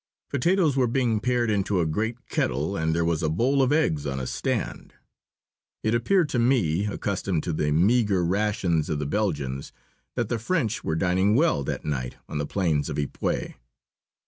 Potatoes were being pared into a great kettle and there was a bowl of eggs on a stand. It appeared to me, accustomed to the meagre ration of the Belgians, that the French were dining well that night on the plains of Ypres.